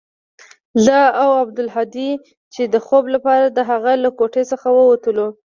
زه او عبدالهادي چې د خوب لپاره د هغه له کوټې څخه وتلو.